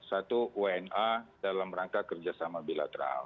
satu wna dalam rangka kerjasama bilateral